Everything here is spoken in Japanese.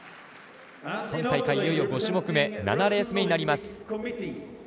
今大会いよいよ５種目め７レース目になります。